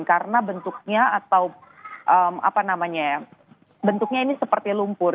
karena bentuknya atau apa namanya ya bentuknya ini seperti lumpur